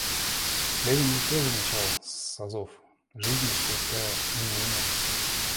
Ленин ведь тоже начал с азов, — жизнь — мастерская геньина.